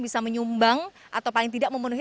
bisa menyumbang atau paling tidak memenuhi